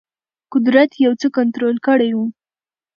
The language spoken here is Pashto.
قدرت یو څه کنټرول کړی وو.